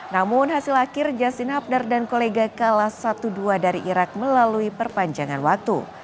namun hasil akhir justin hubdar dan kolega kalah satu dua dari irak melalui perpanjangan waktu